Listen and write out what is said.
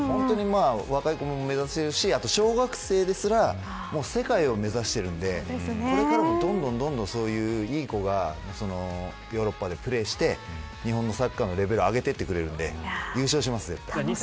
若い子も目指してるしあと小学生ですら世界を目指しているんでこれからもどんどん、そういういい子がヨーロッパでプレーして日本のサッカーのレベルを上げていってくれるんで優勝します、絶対。